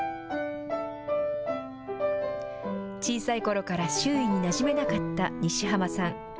小さいころから周囲になじめなかった西濱さん。